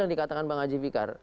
yang dikatakan bang ajib iqar